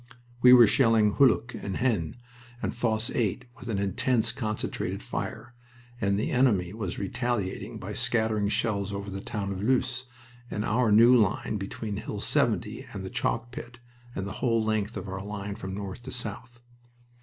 We were shelling Hulluch and Haisnes and Fosse 8 with an intense, concentrated fire, and the enemy was retaliating by scattering shells over the town of Loos and our new line between Hill 70 and the chalk pit, and the whole length of our line from north to south.